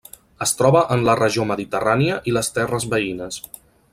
Es troba en la regió mediterrània i les terres veïnes.